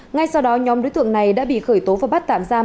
ngay sau đó nhóm đối tượng này đã bị khởi tố và bắt tạm giam